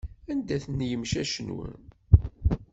Anda-ten yimcac-nwen?